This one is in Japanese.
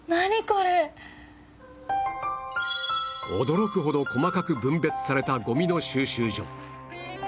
驚くほど細かく分別されたごみの収集所